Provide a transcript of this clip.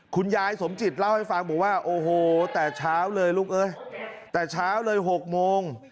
คุณยายสมจิตเล่าให้ฟังบอกว่าโอ้โหแต่เช้าเลยลูกเอ้ยแต่เช้าเลย๖โมง